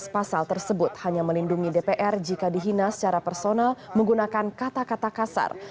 pasal tersebut hanya melindungi dpr jika dihina secara personal menggunakan kata kata kasar